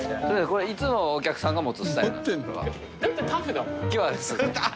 これいつもお客さんが持つスタイルなんですか？